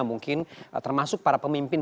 mungkin termasuk para pemimpin